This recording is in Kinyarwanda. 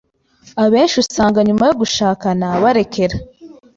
Abenshi usanga nyuma yo gushakana barekera